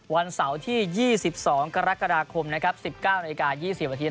วันเสาร์ที่๒๒กรกฎาคม๑๙นาที๒๔วันที